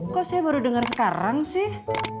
kok saya baru dengar sekarang sih